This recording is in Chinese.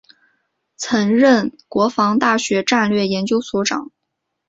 曾任国防大学战略研究所长。